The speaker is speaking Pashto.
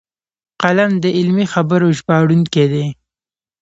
قلم د علمي خبرو ژباړونکی دی